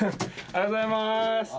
おはようございます。